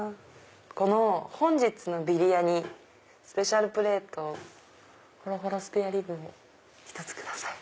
この本日のビリヤニスペシャルプレートほろほろスペアリブを１つください。